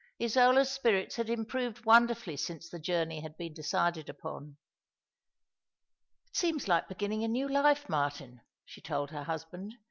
Isola's spirits had improved wonderfully since the journey had teen decided upon. " It seems like beginning a new life, Martin," she told her husband.